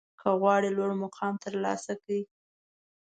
که غواړئ لوړ مقام ترلاسه کړئ